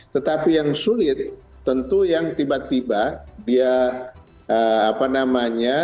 tetapi yang sulit tentu yang tiba tiba dia apa namanya